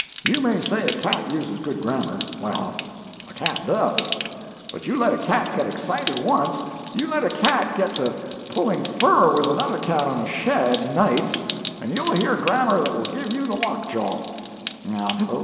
You may say a cat uses good grammar. Well, a cat does but you let a cat get excited once; you let a cat get to pulling fur with another cat on a shed, nights, and you'll hear grammar that will give you the lockjaw.